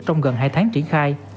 trong gần hai tháng triển khai